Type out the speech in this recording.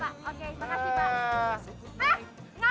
oke makasih pak